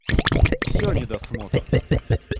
Всё недосмотр!